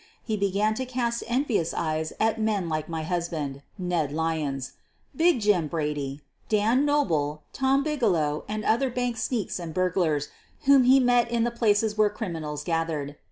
He began to cast en vious eyes at men like my husband (Ned Lyons), Big Jim Brady, Dan Noble, Tom Bigelow, and other bank sneaks and burglars whom he met in the places where criminals gathered.